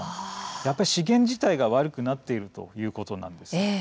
やはり資源自体が悪くなっているということなんです。